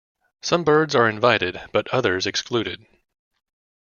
Some birds are invited, but others excluded.